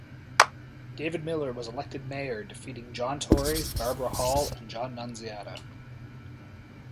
David Miller was elected mayor defeating John Tory, Barbara Hall and John Nunziata.